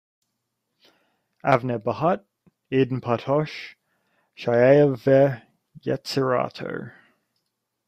Avner Bahat, Eden Partosh: Chayav ve-yetsirato.